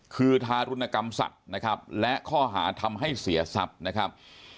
คือทารุณกรรมสัตว์นะครับและข้อหาทำให้เสียทรัพย์นะครับ